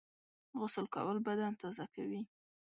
غسل کول بدن تازه کوي